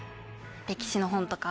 歴史の本とか。